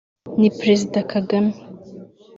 ni Perezida Kagame